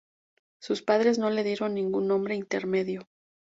Sus padres no le dieron ningún nombre intermedio.